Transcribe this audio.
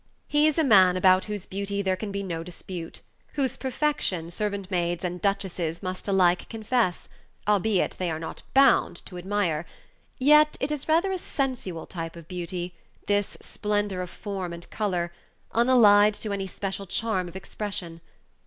He is a man about whose beauty there can be no dispute, whose perfection servant maids and duchesses must alike confess, albeit they are not bound to admire; yet it is rather a sensual type of beauty, this splendor of form and color, unallied to any special charm of expression.